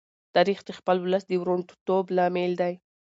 تاریخ د خپل ولس د وروڼتوب لامل دی.